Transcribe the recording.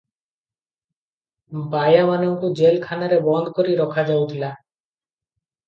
ବାୟାମାନଙ୍କୁ jail ଖାନାରେ ବନ୍ଦ କରି ରଖା ଯାଉଥିଲା ।